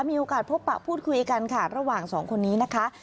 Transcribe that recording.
มีโอกาสพบปะพูดคุยกันค่ะระหว่างสองคนนี้นะคะ